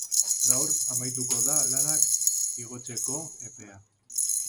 Gaur amaituko da lanak igotzeko epea.